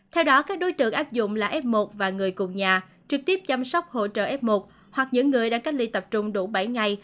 theo đó các đối tượng áp dụng là f một và người cùng nhà trực tiếp chăm sóc hỗ trợ f một hoặc những người đang cách ly tập trung đủ bảy ngày